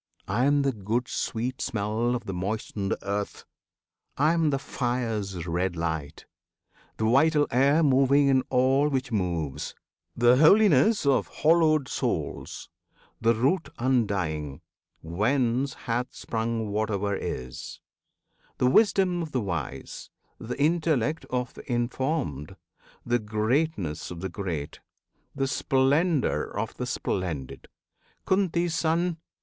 I am the good sweet smell Of the moistened earth, I am the fire's red light, The vital air moving in all which moves, The holiness of hallowed souls, the root Undying, whence hath sprung whatever is; The wisdom of the wise, the intellect Of the informed, the greatness of the great. The splendour of the splendid. Kunti's Son!